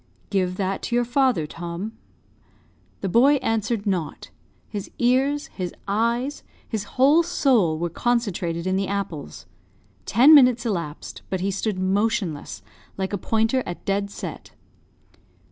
"Give that to your father, Tom." The boy answered not his ears, his eyes, his whole soul, were concentrated in the apples. Ten minutes elapsed, but he stood motionless, like a pointer at dead set.